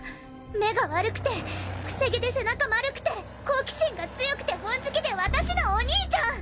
目が悪くて癖毛で背中丸くて好奇心が強くて本好きで私のお兄ちゃん！